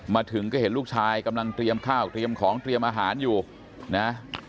มาถึงก็เห็นลูกชายกำลังเตรียมข้าวเตรียมของเตรียมอาหารอยู่นะ